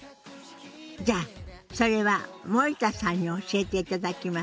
じゃあそれは森田さんに教えていただきましょうね。